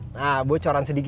nah bocoran sedikit lagi